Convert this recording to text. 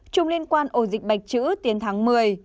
sáu chùm liên quan ổ dịch bạch chữ tiến tháng một mươi